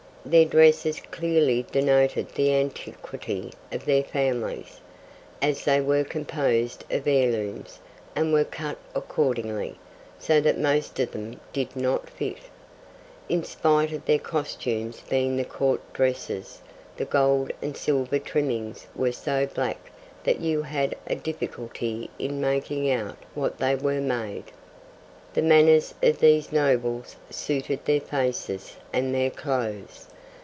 Their dresses clearly denoted the antiquity of their families, as they were composed of heirlooms, and were cut accordingly, so that most of them did not fit. In spite of their costumes being the 'Court Dresses,' the gold and silver trimmings were so black that you had a difficulty in making out of what they were made. The manners of these nobles suited their faces and their clothes.